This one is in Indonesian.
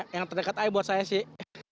yang terdekat aja buat saya sih